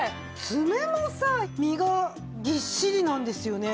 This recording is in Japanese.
爪もさ身がぎっしりなんですよね。